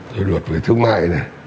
rồi luật về thương mại này